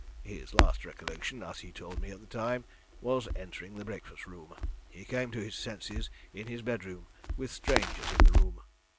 His last recollection, as he told me at the time, was entering the breakfast room; he came to his senses in his bedroom, with strangers in the room."